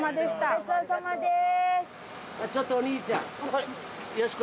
ごちそうさまです。